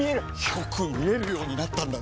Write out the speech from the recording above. よく見えるようになったんだね！